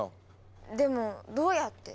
でもどうやって？